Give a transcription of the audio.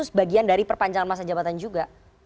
tapi itu mungkin dari perpanjangan masa jabatan juga